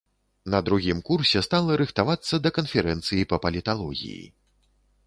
На другім курсе стала рыхтавацца да канферэнцыі па паліталогіі.